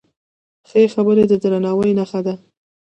ښې خبرې د درناوي نښه ده.